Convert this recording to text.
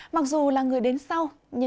mặc dù là người đến sau